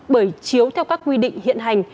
bởi chiếu theo các quy định hiện hành